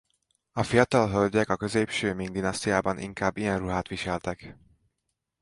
A fiatal hölgyek a középső Ming-dinasztiában inkább ilyen ruhát viseltek.